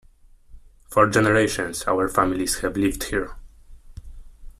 For generations, our families have lived here.